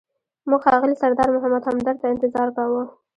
موږ ښاغلي سردار محمد همدرد ته انتظار کاوه.